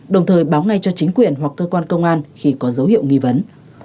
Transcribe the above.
đồng thời báo ngay cho chính quyền hoặc cơ quan công an khi có dấu hiệu nghi vấn